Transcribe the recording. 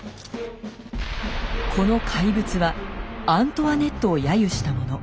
この怪物はアントワネットを揶揄したもの。